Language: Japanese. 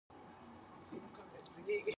お水を一日二リットル飲む